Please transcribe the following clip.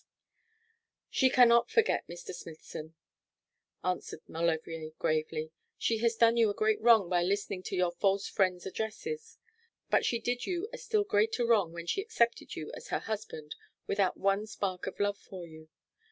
'She cannot forget, Mr. Smithson,' answered Maulevrier, gravely. 'She has done you a great wrong by listening to your false friend's addresses; but she did you a still greater wrong when she accepted you as her husband without one spark of love for you.